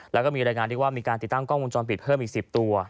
แล้วก็มีรายงานที่ว่ามีการติดตั้งกล้องวงจรปิดเพิ่มอีก๑๐ตัว